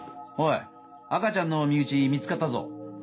おい赤ちゃんの身内見つかったぞ。